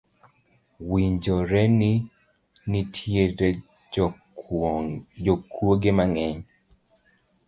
Winjore ni nitiere jokuoge mang’eny